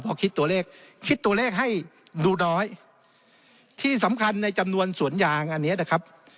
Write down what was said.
พอคิดตัวเลขคิดตัวเลขให้ดูน้อยที่สำคัญในจำนวนสวนยางอันนี้นะครับ